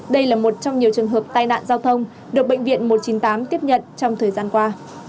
đây là một trong nhiều trường hợp tai nạn giao thông được bệnh viện một trăm chín mươi tám tiếp nhận trong thời gian qua